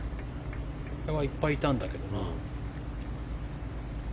前はいっぱいいたんだけどな。